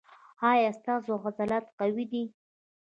ایا ستاسو عضلات قوي دي؟